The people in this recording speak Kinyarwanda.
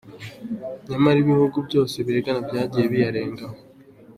Nyamara ibihugu byombi biregana ko byagiye biyarengaho.